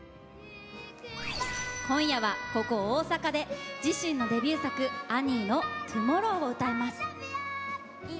今夜は、ここ大阪で自身のデビュー作、「アニー」の「トゥモロー」を歌います。